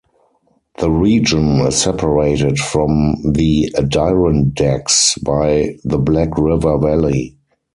The region is separated from the Adirondacks by the Black River Valley.